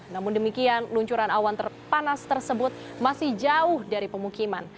namun demikian luncuran awan terpanas tersebut masih jauh dari pemukiman